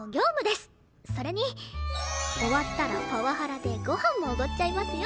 それに終わったらパワハラでご飯もおごっちゃいますよ？